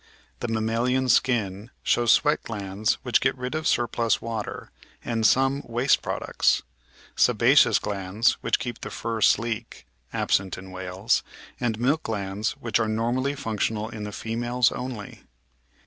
The mammalian skin shows sweat glands which get rid of surplus water and some waste products, sebaceous glands which keep the fur sleek (absent in whales) , and milk glands which are normally functional in the females only.